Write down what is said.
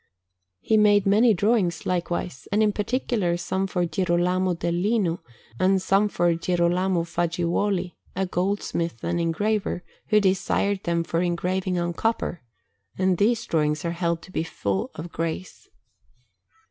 He made many drawings, likewise, and in particular some for Girolamo del Lino, and some for Girolamo Fagiuoli, a goldsmith and engraver, who desired them for engraving on copper; and these drawings are held to be full of grace.